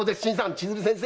千鶴先生。